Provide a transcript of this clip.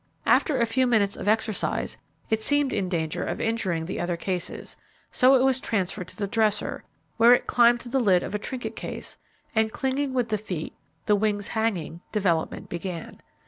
After a few minutes of exercise, it seemed in danger of injuring the other cases, so it was transferred to the dresser, where it climbed to the lid of a trinket case, and clinging with the feet, the wings hanging, development began.